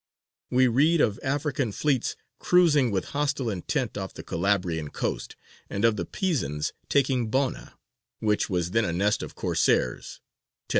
We read of African fleets cruising with hostile intent off the Calabrian coast, and of the Pisans taking Bona, which was then a nest of Corsairs (1034).